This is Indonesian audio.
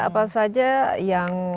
apa saja yang